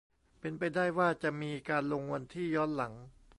เป็นไปได้ว่าจะมีการลงวันที่ย้อนหลัง